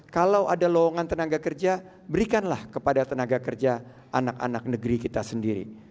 kalau ada lowongan tenaga kerja berikanlah kepada tenaga kerja anak anak negeri kita sendiri